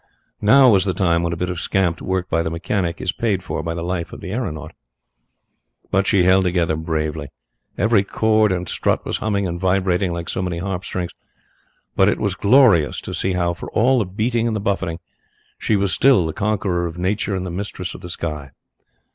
Now was the time when a bit of scamped work by the mechanic is paid for by the life of the aeronaut. But she held together bravely. Every cord and strut was humming and vibrating like so many harp strings, but it was glorious to see how, for all the beating and the buffeting, she was still the conqueror of Nature and the mistress of the sky.